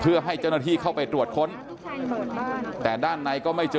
เพื่อให้เจ้าหน้าที่เข้าไปตรวจค้นแต่ด้านในก็ไม่เจอ